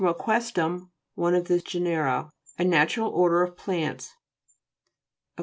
equise'tttm, one of the genera. A natural order of plants. EQ.